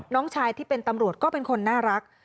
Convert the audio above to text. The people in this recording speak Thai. น้องชายที่เป็นตำรวจก็เป็นคนน่ารัก